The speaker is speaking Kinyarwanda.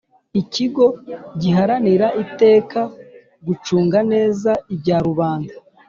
Ikigo giharanira iteka gucunga neza ibya rubanda